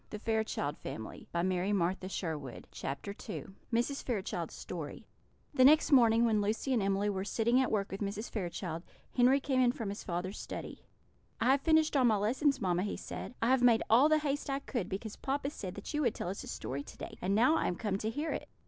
] Mrs. Fairchild's Story [Illustration: "I sat down on one of the branches to eat cherries"] The next morning, when Lucy and Emily were sitting at work with Mrs. Fairchild, Henry came in from his father's study. "I have finished all my lessons, mamma," he said. "I have made all the haste I could because papa said that you would tell us a story to day; and now I am come to hear it."